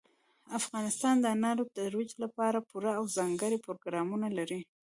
افغانستان د انارو د ترویج لپاره پوره او ځانګړي پروګرامونه لري.